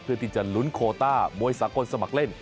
เพื่อที่จะลุ้นโคต้ามวยสากลสมัครเล่น